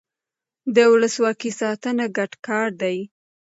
د ولسواکۍ ساتنه ګډ کار دی